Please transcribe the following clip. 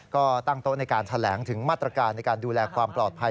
ก็ตั้งโต๊ะในการแถลงถึงมาตรการในการดูแลความปลอดภัย